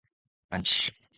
ランチ